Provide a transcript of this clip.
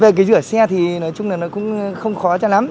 về cái rửa xe thì nói chung là nó cũng không khó cho lắm